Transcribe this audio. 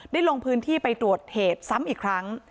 ลงพื้นที่ไปตรวจเหตุซ้ำอีกครั้ง